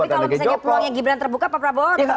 tapi kalau misalnya peluangnya gibran terbuka pak prabowo tetap